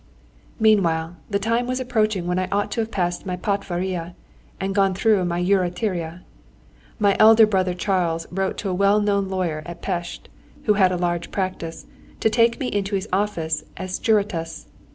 Meanwhile, the time was approaching when I ought to have passed my patvaria, and gone through my jurateria. My elder brother Charles wrote to a well known lawyer at Pest, who had a large practice, to take me into his office as a juratus.